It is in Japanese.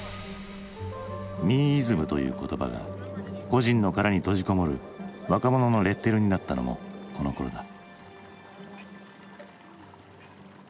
「ミーイズム」という言葉が個人の殻に閉じこもる若者のレッテルになったのもこのころだ。